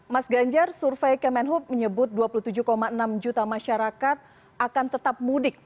mas ganjar survei kemenhub menyebut dua puluh tujuh enam juta masyarakat akan tetap mudik